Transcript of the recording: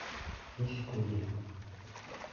— Нисек үлде?